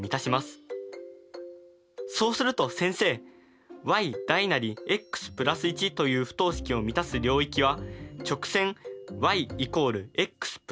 そうすると先生ｙｘ＋１という不等式を満たす領域は直線ｙ＝ｘ＋１の上側ですね！